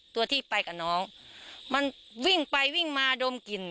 ตัวที่ไปกับน้องมันวิ่งไปวิ่งมาดมกลิ่น